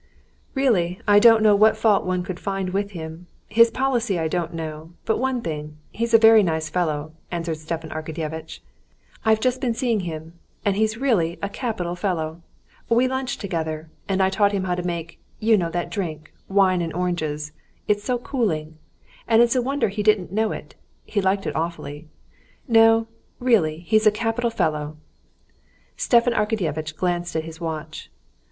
"Really, I don't know what fault one could find with him. His policy I don't know, but one thing—he's a very nice fellow," answered Stepan Arkadyevitch. "I've just been seeing him, and he's really a capital fellow. We lunched together, and I taught him how to make, you know that drink, wine and oranges. It's so cooling. And it's a wonder he didn't know it. He liked it awfully. No, really he's a capital fellow." Stepan Arkadyevitch glanced at his watch.